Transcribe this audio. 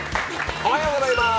おはようございます。